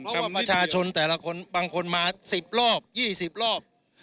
เพราะว่าประชาชนแต่ละคนบางคนมาสิบรอบยี่สิบรอบ